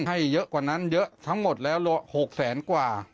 ให้เยอะกว่านั้นเยอะทั้งหมดแล้ว๖แสนกว่า